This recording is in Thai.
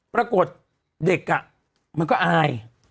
ปรากฏเด็กมันก็อาย